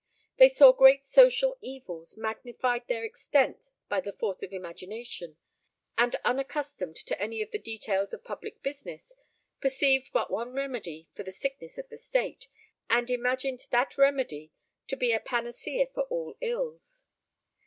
They saw great social evils, magnified their extent by the force of imagination, and, unaccustomed to any of the details of public business, perceived but one remedy for the sickness of the state, and imagined that remedy to be a panacea for all ills.